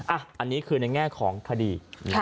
อันนี้คือในแง่ของคดี